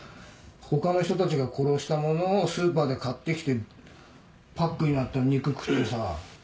他の人たちが殺したものをスーパーで買って来てパックになった肉食ってさ。